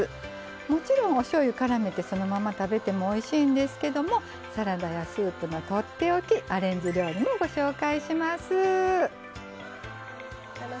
もちろん、おしょうゆをからめてそのまま食べてもおいしいんですけどサラダやスープのとっておきアレンジ料理もご紹介します。